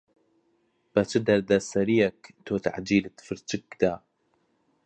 بە چ دەردەسەرییەک تۆ تەعجیلت فرچک دا.